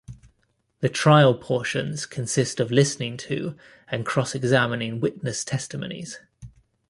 The trial portions consist of listening to and cross-examining witness testimonies.